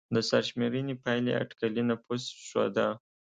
د سرشمېرنې پایلې اټکلي نفوس ښوده.